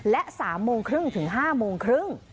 และ๓โมงครึ่งถึง๕โมงครึ่ง